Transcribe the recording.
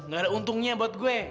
gak ada untungnya buat gue